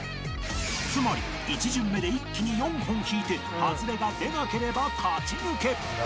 つまり１巡目で一気に４本引いてハズレが出なければ勝ち抜け